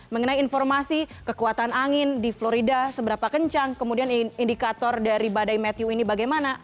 mengenai informasi kekuatan angin di florida seberapa kencang kemudian indikator dari badai matiu ini bagaimana